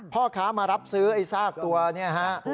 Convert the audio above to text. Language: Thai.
พ่อค้ามารับซื้อไอ้ซากตัวเนี่ยฮะ